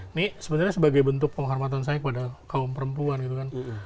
ini sebenarnya sebagai bentuk penghormatan saya kepada kaum perempuan gitu kan